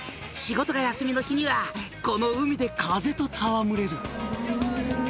「仕事が休みの日にはこの海で風と戯れる」